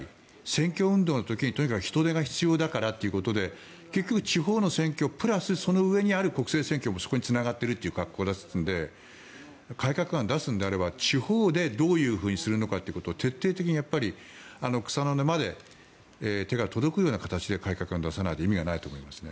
選挙運動の時にとにかく人手が必要だからということで結局、地方の選挙プラスその上にある国政選挙もそこにつながっているという格好なので改革案を出すのであれば地方でどういうふうにするのかということを徹底的に草の根まで手が届くような形で改革案を出さないと意味がないと思います。